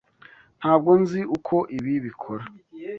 Ntabwo nzi uko ibi bikora.